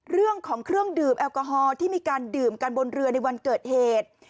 เรื่องของเครื่องดื่มแอลกอฮอลที่มีการดื่มกันบนเรือในวันเกิดเหตุ